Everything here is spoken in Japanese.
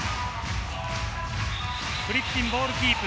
フリッピン、ボールキープ。